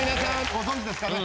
ご存じですかね？